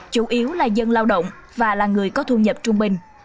chủ yếu là dân lao động và là người có thu nhập trung bình